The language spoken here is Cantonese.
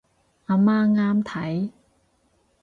阿媽啱睇